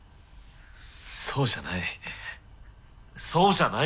そうじゃない。